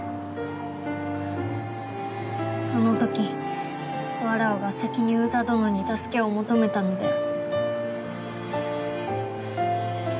あの時わらわが先に宇田どのに助けを求めたのである。